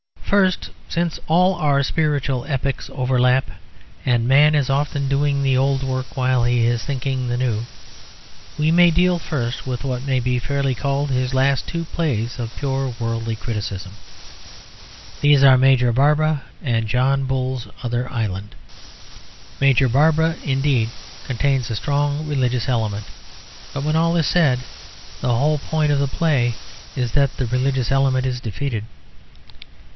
First, since all our spiritual epochs overlap, and a man is often doing the old work while he is thinking of the new, we may deal first with what may be fairly called his last two plays of pure worldly criticism. These are Major Barbara and John Bull's Other Island. Major Barbara indeed contains a strong religious element; but, when all is said, the whole point of the play is that the religious element is defeated.